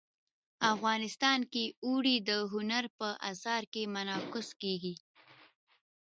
افغانستان کې اوړي د هنر په اثار کې منعکس کېږي.